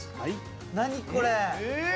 何これ！